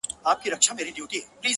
تور باڼۀ وروځې او زلفې خال او زخه